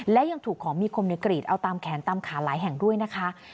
และยังถูกของมีคมในกรีดเอาตามแขนตามขาหลายแห่งด้วยนะคะ